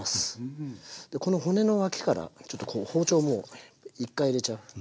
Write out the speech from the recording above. この骨の脇からちょっとこう包丁もう１回入れちゃう。